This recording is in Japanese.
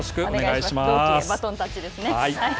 同期でバトンタッチですね。